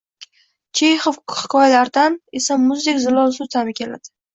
Chexov hikoyalaridan esa muzdek zilol suv ta’mi keladi.